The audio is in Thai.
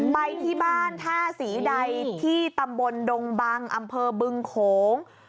ไปที่บ้านท่าศรีใดที่ตำบลดงบังอำเภอบึงโขง